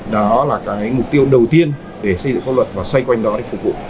đó là cái mục tiêu đầu tiên để xây dựng pháp luật và xoay quanh đó để phục vụ